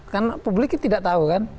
kan publik tidak tahu kan